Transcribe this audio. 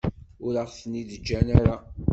Ur aɣ-ten-id-ǧǧan ara.